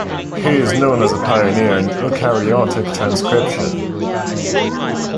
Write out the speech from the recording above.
He is known as a pioneer in eukaryotic transcription.